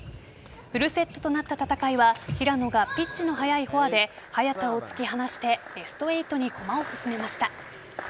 フルセットとなった戦いは平野がピッチの速いフォアで早田を突き放してベスト８に駒を進めました。